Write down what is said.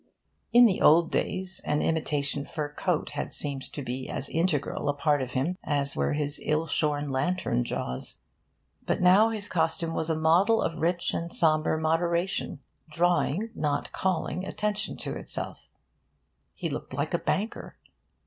In the old days, an imitation fur coat had seemed to be as integral a part of him as were his ill shorn lantern jaws. But now his costume was a model of rich and sombre moderation, drawing, not calling, attention to itself. He looked like a banker.